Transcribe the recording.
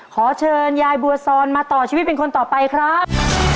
ขอเชิญยายบัวซอนมาต่อชีวิตเป็นคนต่อไปครับ